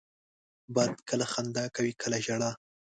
باد کله خندا کوي، کله ژاړي